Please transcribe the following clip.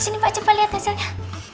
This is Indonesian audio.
sini mbak coba liat hasilnya